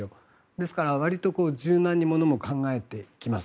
ですから、わりと柔軟に物も考えていきます。